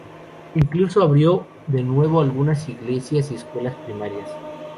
Incluso abrió de nuevo algunas iglesias y escuelas primarias.